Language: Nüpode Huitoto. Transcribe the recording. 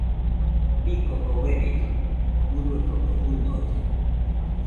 Bii koko uerilli urue koko fɨnolle.